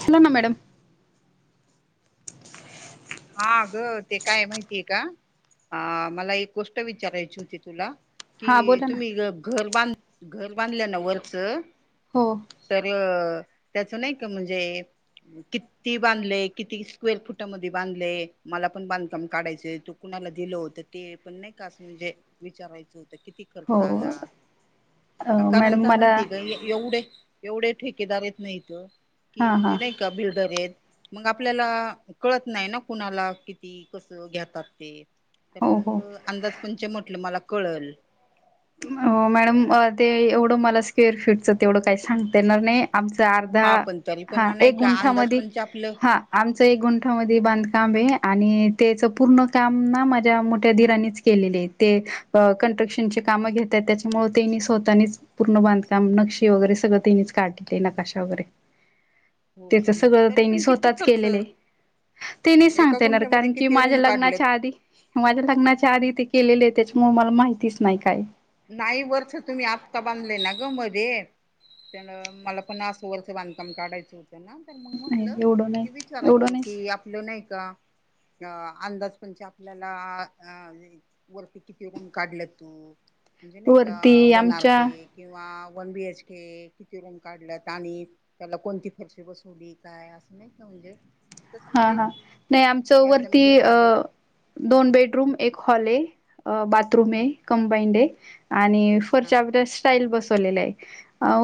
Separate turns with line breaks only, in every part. हला ना मॅडम
हा ग ते काय माहितीये का अ मला एक गोष्ट विचारायची होती तुला कि
हां बोला ना
तुम्ही घर बांध घर बांधल्या ना वरचं
हो
तर अ त्याच नाही का म्हणजे किती बांधलेय किती स्क्वेर फुटामध्ये बांधले मला पण बांधकाम काढायच तो कुणाला दिलं होतं ते पण नाही का असं म्हणजे विचारायचं होत? किती खर्च आला
हो
कारण
मॅडम
काय
मला
माहितीय का एवढे एवढे ठेके दार आहे ना हित की
हां
म्हणजे
हां
नाय का बिल्डर आहेत, मग आपल्याला कळत नाही ना कुणाला किती कसं घेतात ते! पण
हो हो
मग अंदाज पणच म्हटलं मला कळल.
हो मॅडम ते एवढं मला स्क्वेर फिटच तेवढं काही सांगते येणार नाही. आमचा अर्धा
हा पण तरी पण
हा
नाही
एक
का अंदाज
गुंठामध्ये
पंच आपलं
हा आमच एक गुंठामध्ये बांधकाम आहे आणि आणि त्या पूर्ण काम ना माझ्या मोठ्या धीरानीच केले ते क्रक्शनचे काम घेतात त्याच्यामुळेळ तेनी स्वतःनीच पूर्ण बांधकाम नक्षी वगैरे सगळं त्यांनीच काढलेले, नकाशा
हो
त्याच
का म्हणजे
सगळं
तरी
त्यांनी
पण किती
स्वतःच
खर्च
केलेले आहे. ते नाही
एका
सांगतेणार
गुंठ्यामध्ये
कारण की
किती
माझ्या
रूम काढलेत
लग्नाच्या आधी माझ्या लग्नाच्या आधी ते केलेले आहे त्याच्यामुळे मला माहितीच नाही काय.
नाही वरच तुम्ही आत्ता बांधले ना ग मध्ये? त्यान मला पण आसू वरचं बांधकाम काढायचं होत! ना मग
नाही
म्हटलं
एवढं नाही
कि
एवढं
विचारावं,
नाही
कि आपलं नाही का अ अंदाज म्हणजे आपल्याला अ वरती किती रुण काढला तू? म्हणजे नाही का
वरती
वन आर
आमच्या
के किंवा वन बीएच के किती रूम काढला, आणि त्याला कोणती फरशी बसवली काय असं नाही का म्हणजे तसं
हा
म्हणजे
हा नाही आमच
एकदा मी
वरती
घरी
अ
आलो
दोन बेडरूम एक हॉल आहे. अ बाथरूम आहे
हं,
कंबाईंड आहे आणि
हा
फरच्या स्टाईल बस केलेली आहे,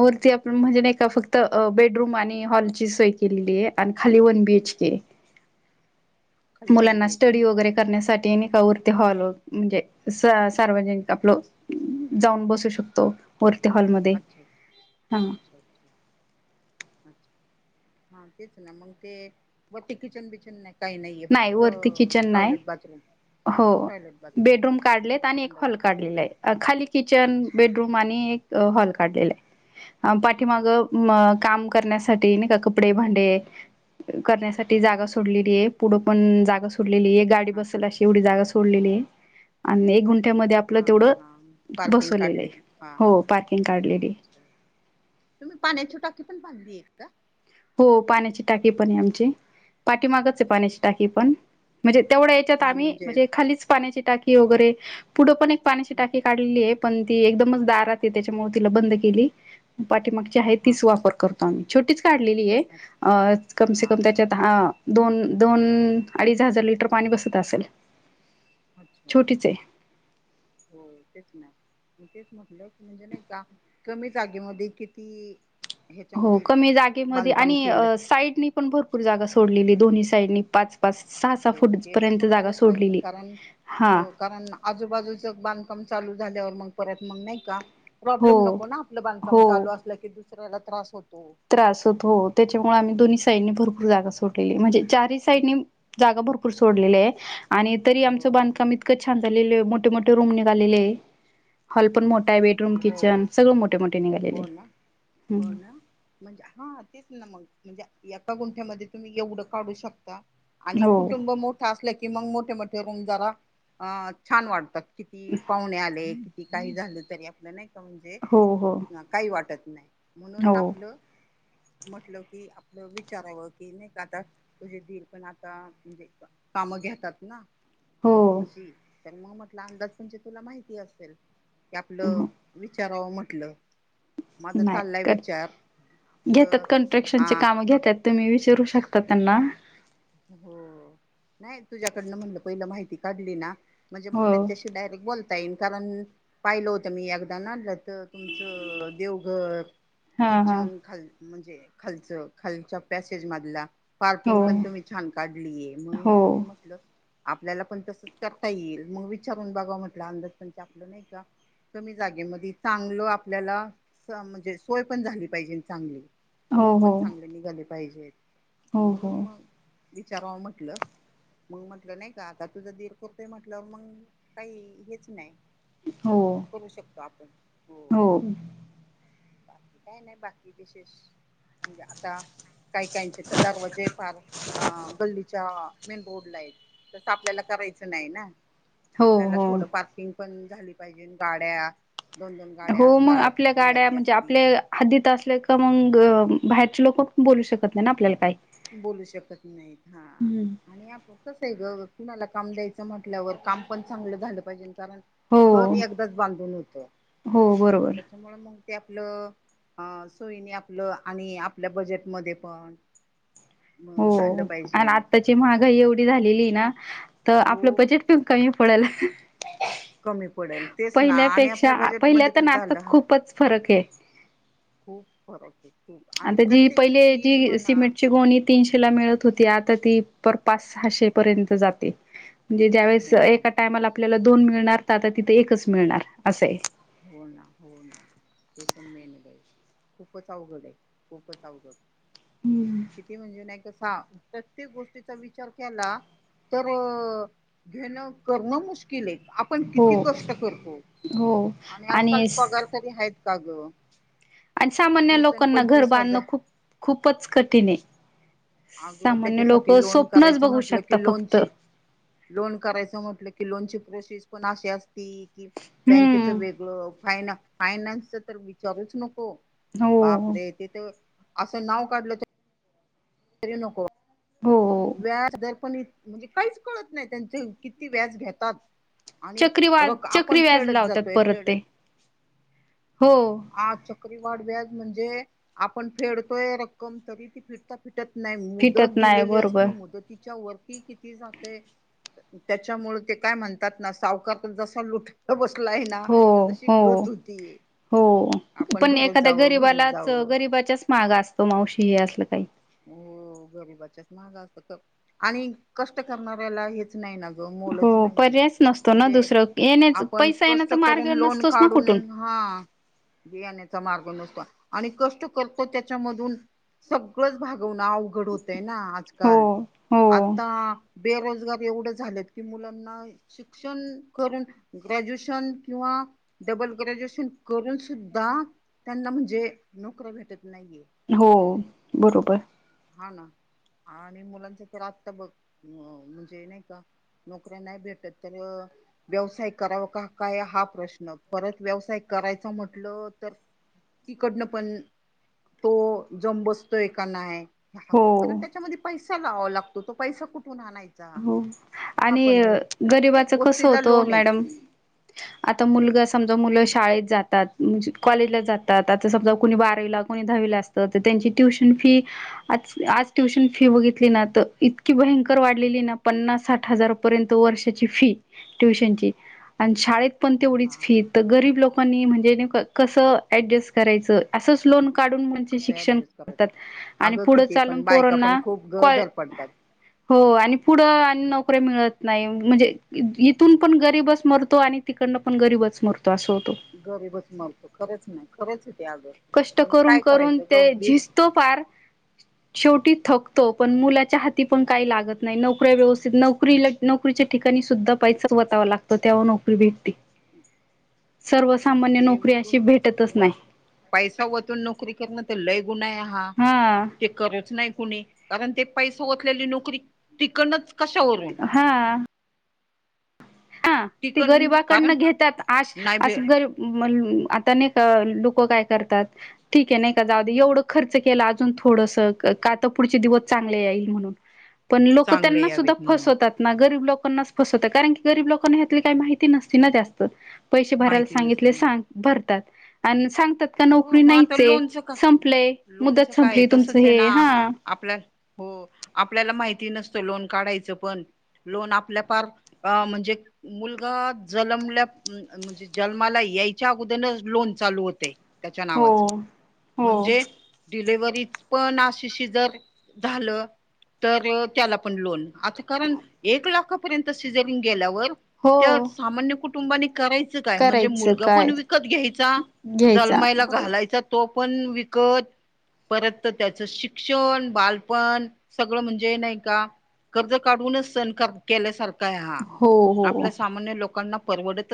वरती आपण म्हणजे नाही फक्त बेडरूम आणि हॉलची सोय केलेली आहे. खाली वन बी एच के आहे,
खाली वन
मुलाना
बी एच के आहे
स्टडी
का
वगैरे करण्यासाठी आणि वरती हॉल म्हणजे सार्वजनिक आपल जाऊन बसू शकतो. वरती हॉलमध्ये
अच्छा
हा
अच्छा अच्छा अच्छा अच्छ! हा तेच ना मग ते वटी किचन बिचन नाही काही नाहीये
नाही
फक्त
वरती किचन नाही
टॉयलेट बाथरूम?
हो
टॉयलेट बाथरूम
बेडरूम
हो
काढलेत आणि एक
संडास
हॉल
बाथ
काढलेला आहे खाली किचन
अच्छा
बेडरूम आणि एक हॉल काढलेला आहे. अ पाठीमाग अ काम करण्यासाठी नाही का कपडे, भांडे करण्यासाठी जागा
हां
सोडलेली आहे पुढं
ठीक
पण जागा सोडलेली आहे गाडी
हां
बसल अशी एवढी जागा सोडलेली आहे सोडलेली आणि एक गुण ठ्या
हा
आपलं तेवढ
हा हा पार्किंग
बसवलेलं
काढले
आहे,
हा हा
हो पार्किंग काढलेली आहे.
अच्छा तुम्ही पाण्या ची टाकीे पण बांधलीये का?
हो पाण्याची टाकी पण आहे आमची, पाठी मागच आहे पाण्याची टाकी पण म्हणजे तेवढ्या याच्यात आम्ही म्हणजे खालीच पाण्याची टाकी वगैरे पुढं पण एक पाण्याची टाकी काढलेली आहे. पण ती एकदमच दारात त्याच्यामुळे तिला बंद केली पाठीमागची आहे
हा
तीच वापर करतो. छोटीच काढलेली आहे,
हा
अ कमसे
हा
कम
हा
त्याच्या आ दोन दोन अडीच हजार लिटर पाणी बसत असेल.
अच्छा
छोटीच
अच्छा हा
आहे
हो तेच ना! म तेच म्हटलं की म्हणजे नाही का कमी जागेमध्ये किती
हो
ह्याच्यामध्ये
कमी जागेमध्ये
बांधकाम
आणि
केलं
साईडनी पण भरपूर जागा सोडलेली दोन्ही साईडनी पाच पाच सहा सहा
हो
फूट
ते तर
पर्यंत जागा
सोडायलाच पाहिजे,
सोडलेली
कारण
हा
हो कारण आजूबाजूच बांधकाम चालू झाल्यावर परत मग नाय का
हो
प्रॉब्लेम नको ना आपल बांधला
हो
चालू असल दुसऱ्याला त्रास नको.
त्रास होत हो त्याच्यामुळे आम्ही दोन्ही साईड भरपूर जागा सोडलेली म्हणजे चार साईडनी जागा भरपूर सोडलेली आहे. आणि तरी
हो
आमचं
हो
बांधकाम इतकं छान झालेलं आहे, मोठे मोठे रूम निघालेले आहे हॉल पण मो ठा आहे. बेडरूम
हो
किचन सगळं मोठे मोठे निघालेले
हो
आहे.
ना हो ना
हम्म
म्हणजे हा तेच ना मग म्हणजे एका गुंठ्यामध्ये तुम्ही एवढं काढू शकता आणि
हो
कुटुंब मोठा असलं की मग मोठे मोठे रूम जरा अं छान वाढतात किती पाहुणे आले किती काही झालं तरी आपलं नाही का म्हणजे
हो हो
काही वाटत नाही म्हणून
हो
आपलं म्हटलं की आपलं विचारावं कि नाही का आता तुझे दिईल पण आता म्हणजे कामं घेतात ना
हो
अशी त्यांनी मग म्हटलं अंदाज म्हणज तुला माहिती असेल क
हो
आपलं विचारावं म्हटलं माझा चाललाय
नाही
विचार
घेतात
आपलं
कन्स्ट्रक्शनचे
अ
काम घेतात तुम्ही विचारू शकता त्यांना
हो नाही तुझ्याकडनं म्हटलं पहिलं माहिती काढली ना म्हणजे मग
हो
त्यांच्याशी डायरेक्ट बोलता येईन कारण पाहिलं होतं मी एकदा न तर तुमचं देवघर
हा हा
किचन खाल म्हणजे खालच खालच्या पॅसेज मधला
हो
पार्किंग पण तुम्ही छान काढलीय मग
हो
म्हण म्हटल आपल्याला पण तसच करता येईल मग विचारून बघा म्हटलं अंदाज पण आपलं नाही का कमी जागेमध्ये चांगलं आपल्याला म्हणजे सोय पण झाली पाहिजे चांगली
हो
रूम
हो
पण चांगले निघाले पाहिजेत
हो
म्हणून
हो
मग विचारवा म्हटलं मग म्हटलं नाही का आता तुझं दीर कोरतोय म्हटल्यावर मग काही हेच नाही
हो
करू शकतो आपण हो बाकी काही नाही नाही बाकी विशेष म्हणजे आता काही काहीचे तर दरवाजे पह अ गल्लीच्या मेनबोर्डला आहेत तसं आपल्याला करायचं नाही ना
हो
आपल्याला
हो
थोडं पार्किंग पण झाली पाहिजे गाड्या दोन दोन गाड्या
हो मग
असतात
आपल्या गाड्या
मुलाची
म्हणजे
असती
आपल्या हदीत मग बाहेरचे लोक बोलू शकत नाही ना आपल्याला काही
बोलू शकत नाहीत हा
हम्म
आणि आप कस आहे ग कुणाला काम द्यायचं म्हटल्यावर काम पण चांगलं झालं पाहिजे कारण घर
हो
एकदाच बांधून होत
हो बरोबर
त्याच्यामुळे मग ते आपलं सोयीने आपलं आणि आपल्या बजेटमध्ये पण
हो
झालं पाहिजे.
आणि आत्ताची महागाई एवढी झालेली ना तर आपलं
खूप
बजेट प कमी होळला
कमी पडेल तेच ना आणि
पहिल्यापेक्षा
आपल्या
पहिल्या
बजेटमध्ये
तर
पण झालं
नातात
हा
खूपच फरक आहे
खूप फरक आहे खूप आणि
आता जी
प्रत्येक
पहिले
स्टील
जी
म्हणा
सिमेंटची गोणी तीनशेला मिळत होती आता ती पाच सहाशे पर्यंत जाते म्हणे ज्यास
हो ना
एका टायला आपल्याला दोन मिळणार तर आता तिथं एकच मिळणार असं आहे
हो ना हो ना ते पण मेन आहे बाई खूपच अवघड आहे खूपच अवघड
हम्म
किती म्हणजे नाही कसं हा प्रत्येक गोष्टीचा विचार केला तर घेणं करणं मुश्किल आहे आपण
हो
किती कष्ट करतो
हो
आणि आजकाल पगार तरी आहेत का ग
आणि सामान्य
वीस आणि
लोकांना घर
पंचवीस
बांधणं
हजार
खूप खूपच कठीण आहे
अगं
सामान्य लोक
त्याच्यासाठी लोन
स्वप्नच
करायचं
बघू
म्हटलं
शकता
की
फक्त
लोनची लोन करायचं म्हटलं कि लोनची प्रोसेस पण अशी असती कि बँकेच
हम्म
वेगळं फाईना फायनान्सचा तर विचारूच नको
हो
बापरे ते तर असं नाव काढलं तर तरी नको
हो
व्याज दर पण म्हणजे काहीच कळत नाही त्यांचे किती व्याज घेतात आणि
चक्रीवा
रक
चक्री
आपण
व्याज
फेडत
लावतात
जातोय
परत
फेड
ते हो
आ चक्रीवाढ व्याज म्हणजे आपण फेडतोय रक्कम तरी ती फिटता फिटत नाही मुदत
फिटत नाही
दिलेली असते
बरोबर
तिच्या वरती किती जाते त्याच्यामुळे ते काय म्हणतात ना सावकार तर जसा लुटायला बस लाय आहे ना
हो
तशी
हो
गत होती
हो
आपण
पण
भरत
एखाद्या
जावं भरत
गरीबालाच
जावं
गरीबाच्याच माग असतो मावशी हे असलं काही
हो गरीबाच्याच मागं असतं आणि कष्ट करणाऱ्याला हेच नाही ना मोलचं
हो
नाहीये
पर्यायच नसतो ना
म्हणजे
दुसरं येण्याच
आपण
पैसा
कष्ट
येण्याचा मार्ग
करून लोन
नसतोच ना कुठून
काढून हा हा बियाणे मार्ग नसतो आणि कष्ट करतो त्याच्यामधून सगळंच भाग वणं अवघड होतंय ना
हो
आजकाल
हो
आत्ता बेरोजगार एवढं झालेत की मुलांना शिक्षण करून ग्रॅज्युएशन किंवा डबल ग्रॅज्युएशन करून सुद्धा त्यांना म्हणजे नोकऱ्या भेटत नाहीये
हो बरोबर
हा ना आणि मुलांच तर आत्ता बघ म्हणजे नाही का नोकऱ्या नाही भेटत तर व्यवसाय करावं का काय हा प्रश्न परत व्यवसाय करायचा म्हटलं तर तिकडनं पण तो जम बसतोय का नाय हा
हो
पण त्याच्यामध्ये पैसा लावावा लागतो तो पैसा कुठ
हो आणि
आहे ना प्रत्येक
गरीबाच कसं
गोष्टीला
होतं
लोन आहे
मॅडम आता मुलगा समजा मुलं शाळेत जातात म्हणजे कॉलेजला जातात आता समजा कोणी बारावीला कोणी दहावीला असतं तर त्यांची ट्युशन फी आज ट्युशन फी बघितली ना तर इतकी भयंकर वाढ लेली आहे ना पन्नास साठ हजार पर्यंत वर्षाची फी ट्युशनची आणि शाळेत पण
हो ना
तेवढीच फी तर गरीब लोकांनी म्हणजे नेमकं कसं ऍडजस्ट करायचं असंच लोन काढून म्हणजे
कसं
शिक्षण
ऍडजस्ट
करतात
करायचं
आणि
अगं
पुढं
किती
चालून
पण बायका पण
पोरांना
खूप ग
काॅ
धडपडतात
हो आणि पुढं आणि नोकऱ्या मिळत नाही म्हणजे इथून पण गरीबच मरतो आणि तिकडनं पण गरीबच मरतो असं होतो
गरीबच मरतो खरंच नाही खरंच आहे ते अगं
कष्ट
आणि
करून
काय
करून
करायचं ग
ते
वीस
झिजतो फार शेवटी थकतो पण मुलाच्या हाती पण काय लागत नाही नोकऱ्या व्यवस्थित नोकरीला नोकरीच्या ठिकाणी सुद्धा पैसाच वतावा लागतो तेव्हा नोकरी भेटती
[unintelligible] ते
अशी
वतून
भेटतच
व
नाही
पैसा वतून नोकरी करणं तर लय गुन्हा आहे हा ते करुच नाही कुणी कारण ते पैसे सलेली [unintelligible] नोकरी तिकनच
हा हा ती
टिकण
गरीबाकडनं
कारण
घेतात आश
नाही
अस
भे
गरीब म आता नाही का लोक काय करतात ठीक आहे नाही का जाऊ दे एवढं खर्च केला अजून थोडं थड [unintelligible] का तर पुढचे दिवस चांगले येईल म्हणून पण लोक
चांगले
त्यांना सुद्धा
यावेत म्हणून
फसवतात ना गरीब लोकांनाच फसवतात कारण की गरीब लोकांना यातली काही माहिती नसती ना जास्त पैसे भरायला
माहिती नसते
सांगितले सां
माहिती
भरतात आणि सां
हो मग आता लोनचं का लोनचं
मुदत
काय
संपली तुमचं
तसच आहे ना
हे हा
आपल्या हो आपल्याला माहिती नसतं लोन काढायचं पण लोन आपल्या पार म्हणजे मुलगा जनमला म्हणजे जन्माला यायच्या अगोदनच लोन चालू हुतय त्याच्या
हो
नावाच
हो
म्हणजे डिलेव्हरी पण आशी शीजर झालं तर त्याला पण लोन आता कारण एक लाखापर्यंत सिजरिंग गेल्यावर त्या
हो
सामान्य कुटुंबानी करायचं काय म्हणजे
करायचं
मुलगा पण
काय
विकत घ्यायचा
घ्यायचा
जलमाईला
बरोबर
घालायचा तो पण विकत परत तर त्याचं शिक्षण बालपण सगळं म्हणजे नाही का कर्ज काढूनच सणकार [unintelligible] केल्यासारखा आहे हा
हो हो
आपल्या सामान्य लोकांना परवडत [unintelligible]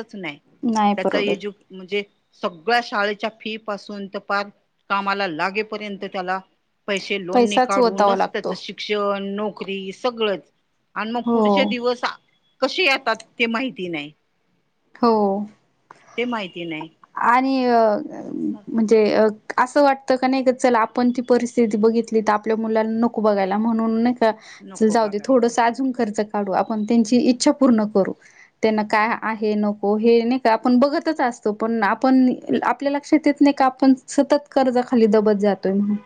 नाही
त्या
परवडत
[unintelligible] म्हणजे सगळ्या शा फी पासून तर पार कामाला लागेपर्यंत त्याला पैसे लोनने
पैसाच ओतावा
काढूनच त्याच
लागतो
शिक्षण नोकरी सगळंच आणि मग
हो
पुढचे दिवस कसे येतात ते माहिती नाही
हो
ते माहिती नाही
आणि अ म्हणजे अ असं वाटतं का नाही का चला आपण ती परिस्थिती बघितली तर आपल्या मुलांना नको बघायला म्हणून
नको
जाऊदे थोडस
बघायला.
अजून खर्च आपण त्यांची इच्छा पूर्ण करू त्यांना काय हे नको हे नाही का आपण बघतच असतो पण आपण आपल्या लक्षात येत नाही का आपण सतत कर्जा खाली दबत जातोय म्हणून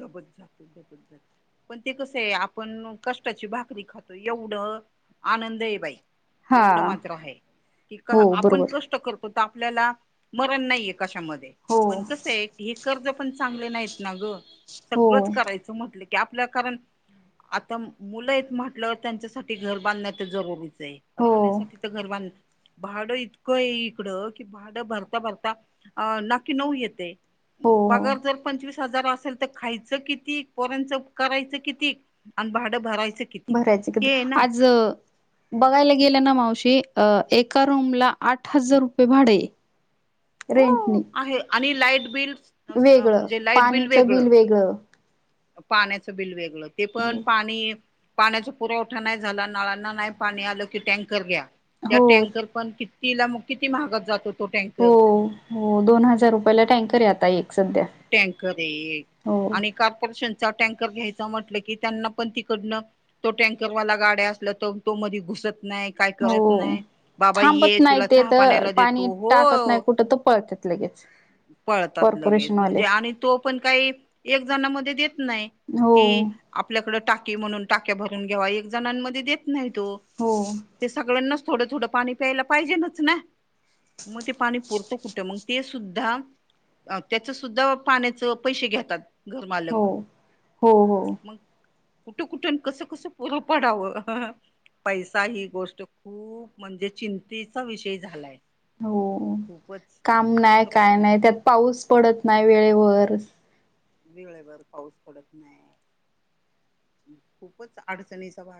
दबत जात दबत जात पण ते कस आहे आपण कष्टाची भाकरी खातो एव आनंद आहे बाई
हा
एवढं मात्र आहे की का
हो
आपण
बरोबर
कष्ट करतो तर आपल्याला मरण नाही येत कशामध्ये
हो
पण कस आहे हे कर्ज पण चांगले नाहीत ना ग
हो
सगळंच करायचं म्हटलं आपल्या कारण आता मुलं आहेत म्हटलं त्यांच्यासाठी घर बांधण्या तर जरुरीच
हो
राहण्यासाठी
हो
तर घर बां [unintelligible] भाडं इतकं आहे इकडं कि भाडं भरता भरता अ नाकी नऊ येते
हो
पगार जर पंचवीस हजार असेल खायचं किती पोरांचं करायचं किती आणि भाडं भरायचं किती
बरायच कधी
हे ना
आज बघायला गेलं ना मावशी अ एका रूम ला आठ हजार रुपये भाडे
हो
रेंटने
आहे आणि लाईट बिल म्हणजे लाईट बिल
पाणीचं
वेगळ
वेगळं
पाण्याचं बिल वेगळ ते पण पाणी पाण्याचा पुरवठा नाही झाला नळांना नाही पाणी आलं की टँकर घ्या त्या
हो
टँकर पण किती तिला मग किती महागात जातो तो
हो
टँकर
हो दोन हजार रुपयाला टँकर येता एक सध्या
टँकर आहे
हो
आणि कारॉर्पोरेशन [unintelligible] टॅकर् घ्यायच म्हटलं की त्यांना पण तिकडन तो टॅकर् गाड्या असल्या तरो मधी घुसत नाही काय करत
हो
नाही बाबा ये
थांबत नाही
तुला
ते
चहा
तर
पाण्याला
पाणी
देतो
टाकत नाही
हो
कुठं तर पळत लगेच,,
पळतात लगेच.
कॉर्पोरेशनवाले
म्हणजे, आणि तो पण काही एक जणामध्ये देत नाहीत,
हो
कि आपल्याकडे टाकऽऽ म्हणून टाक्या भरून घ्यावा एक जणां मधे देत नाही तो,
हो
सगळं नऽऽ थोडं थोडं पाणी प्यायला पाहिजे लच ना,, मग ते पाणी पुरतं कुठे मगऽऽ ते सुद्धा,,, त्याच सुद्धा पाण्याच पैसे घेतात.
हो,
घरमालक
हो, हो,.
मग कुठं, कुठून कसं, कसं पुरं पडावं. पैसा ही गोष्ट खूऽप म्हणजे चिंतेचा विषय झालाय.
हो,,
खूपच
काम नाही,
खरंच
काय
ना
नाय त्यात पाऊस पडतऽऽ नाही वेळेवर.
वेळेवरर पाऊस पडत नाही,, खूपच अडचणीचा भागऽऽ